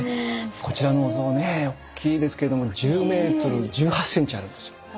こちらのお像ね大きいですけども１０メートル１８センチあるんですよ。